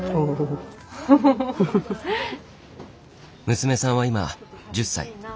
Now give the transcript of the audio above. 娘さんは今１０歳。